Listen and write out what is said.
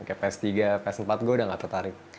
kayak ps tiga ps empat gue udah nggak tertarik